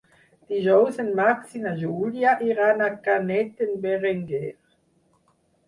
Dijous en Max i na Júlia iran a Canet d'en Berenguer.